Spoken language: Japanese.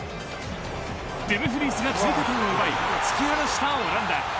ドゥムフリースが追加点を奪い突き放したオランダ。